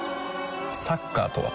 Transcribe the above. サッカーとは？